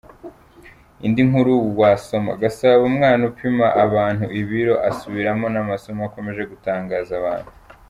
Indi nkuru wasoma: Gasabo:Umwana upima abantu ibiro asubiramo n’amasomo akomeje gutangaza abantu.